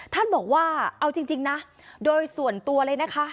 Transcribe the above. ท่านบอกว่าเอาจริงนะโดยส่วนตัวเลยนะคะ